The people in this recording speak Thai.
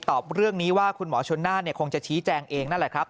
ตอบเรื่องนี้ว่าคุณหมอชนน่านคงจะชี้แจงเองนั่นแหละครับ